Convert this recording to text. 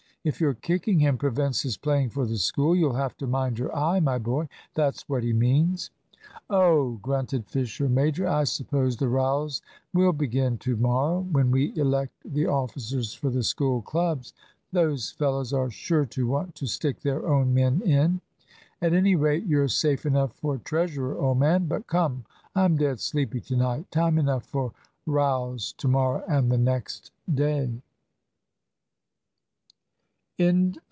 If your kicking him prevents his playing for the School, you'll have to mind your eye, my boy. That's what he means." "Oh!" grunted Fisher major, "I suppose the rows will begin to morrow, when we elect the officers for the School clubs. Those fellows are sure to want to stick their own men in." "At any rate you're safe enough for treasurer, old man. But come, I'm dead sleepy to night. Time enough for rows to morrow and the next day."